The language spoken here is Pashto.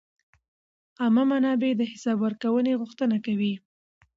عامه منابع د حساب ورکونې غوښتنه کوي.